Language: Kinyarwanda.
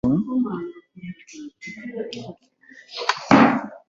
Indimu zifasha abantu bashaka kugabanya ibiro